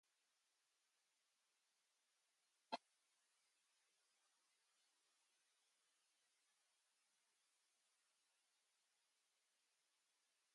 The university also received permission to keep the historic six-story atrium open.